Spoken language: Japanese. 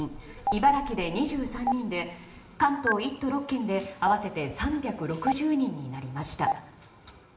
茨城で２３人で関東１都６県で合わせて３６０人になりました。